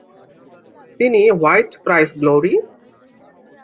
তিনি "what price glory?"